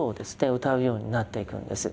うたうようになっていくんです。